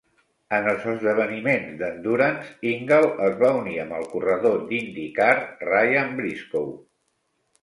En els esdeveniments d'Endurance, Ingall es va unir amb el corredor d'IndyCar Ryan Briscoe.